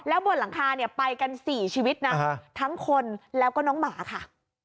บนหลังคาเนี่ยไปกัน๔ชีวิตนะทั้งคนแล้วก็น้องหมาค่ะ